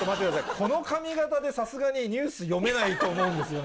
この髪形で、さすがにニュース読めないと思うんですよね。